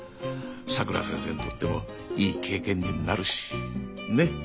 さくら先生にとってもいい経験になるし。ね！